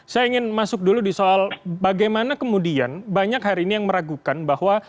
saya ingin masuk dulu di soal bagaimana kemudian banyak hari ini yang meragukan bahwa